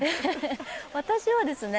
私はですね